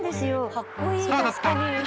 かっこいい確かに。